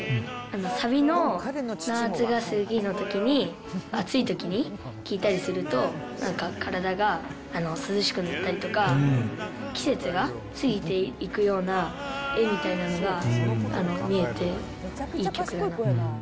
サビの夏が過ぎのときに、暑いときに聴いたりすると、なんか体が涼しくなったりとか、季節が過ぎていくような絵みたいなのが見えていい曲だなと。